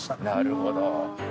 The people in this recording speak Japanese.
なるほど。